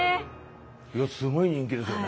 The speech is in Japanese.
いやすごい人気ですよね。